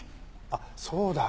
あっそうだ。